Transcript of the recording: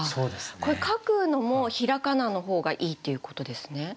これ書くのも平仮名の方がいいっていうことですね？